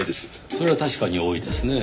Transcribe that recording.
それは確かに多いですねぇ。